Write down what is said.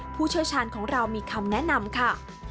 ผู้เชี่ยวชาญของเรามีคำแนะนำค่ะ